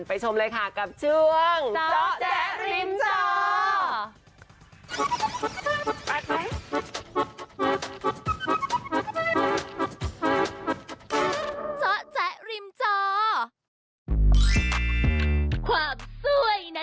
ชมเลยค่ะกับช่วงเจาะแจ๊ริมจอ